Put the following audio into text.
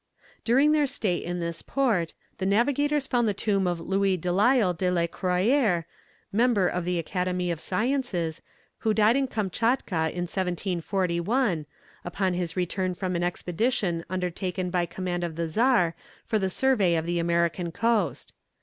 During their stay in this port, the navigators found the tomb of Louis Delisle de la Croyère, Member of the Academy of Sciences, who died in Kamtchatka in 1741, upon his return from an expedition undertaken by command of the Czar for the survey of the American coast.